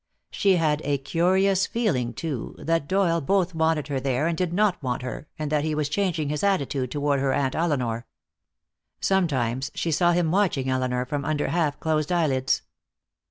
She had a curious feeling, too, that Doyle both wanted her there and did not want her, and that he was changing his attitude toward her Aunt Elinor. Sometimes she saw him watching Elinor from under half closed eyelids.